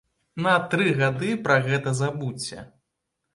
На тры гады пра гэта забудзьце!